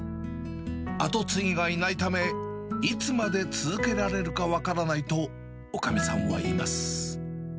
後継ぎがいないため、いつまで続けられるか分からないと、おかみさんは言います。